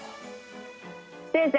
先生